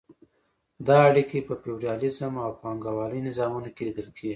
دا اړیکې په فیوډالیزم او پانګوالۍ نظامونو کې لیدل کیږي.